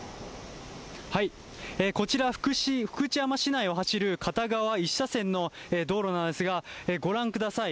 こちら、福知山市内を走る片側１車線の道路なのですが、ご覧ください。